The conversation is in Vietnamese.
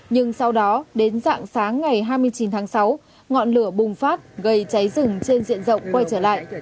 nhưng sau đó đến dạng sáng ngày hai mươi chín tháng sáu ngọn lửa bùng phát gây cháy rừng trên diện rộng quay trở lại